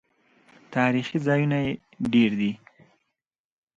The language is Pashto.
تاریخي ځایونه یې ډیر دي.